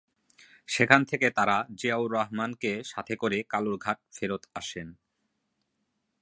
সেখান থেকে তারা জিয়াউর রহমানকে সাথে করে কালুরঘাট ফেরত আসেন।